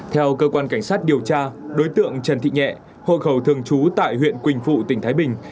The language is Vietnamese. theo cơ quan cảnh sát điều tra đối tượng trần thị nhẹ hộ khẩu thường trú tại huyện quỳnh phụ tỉnh thái bình